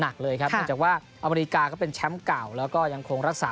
นักเลยครับก็ว่าอเมริกาเข้าเป็นแชมป์เก่าแล้วก็ยังคงรักษา